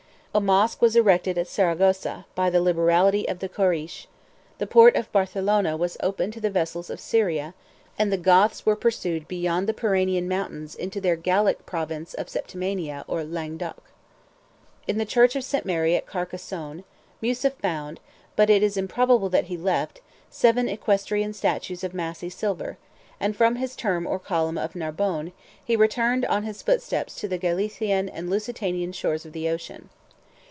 A mosch was erected at Saragossa, by the liberality of the Koreish: the port of Barcelona was opened to the vessels of Syria; and the Goths were pursued beyond the Pyrenaean mountains into their Gallic province of Septimania or Languedoc. 184 In the church of St. Mary at Carcassone, Musa found, but it is improbable that he left, seven equestrian statues of massy silver; and from his term or column of Narbonne, he returned on his footsteps to the Gallician and Lusitanian shores of the ocean.